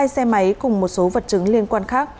hai xe máy cùng một số vật chứng liên quan khác